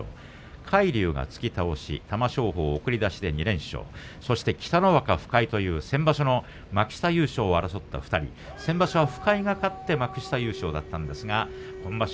海龍が突き倒し玉正鳳、送り出し北の若、深井という先場所の幕下優勝を争った２人先場所は深井が勝って幕下優勝だったんですが今場所